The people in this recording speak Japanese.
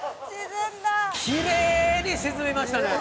きれいに沈みましたね。